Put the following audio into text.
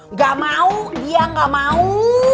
nggak mau dia gak mau